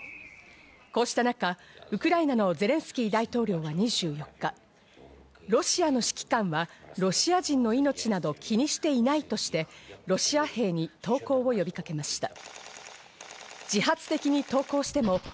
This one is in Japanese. こうした中、ウクライナのゼレンスキー大統領は２４日、ロシアの指揮官はロシア人の命など気にしていないとして、ロシア兵に投降を呼びかけました。